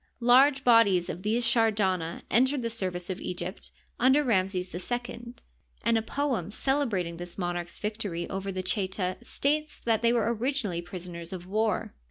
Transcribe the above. Large bodies of these Shardana entered the service of Egypt under Ram ses II, and a poem celebrating this monarch's victory over the Cheta states that they were originally prisoners of war.